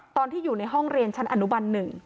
ตอนที่อยู่ในห้องเรียนชั้นอนุบัน๑